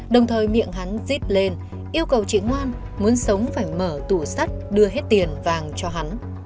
đồng thời miệng hắn dít lên yêu cầu chị ngoan muốn sống phải mở tủ sắt đưa hết tiền vàng cho hắn